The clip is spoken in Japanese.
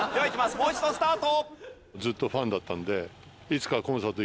もう一度スタート！